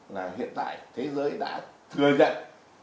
là hiện tại thế giới đã thừa nhận